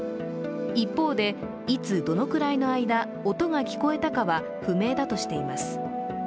一方で、いつどのくらいの間音が聞こえたかは不明だとしています。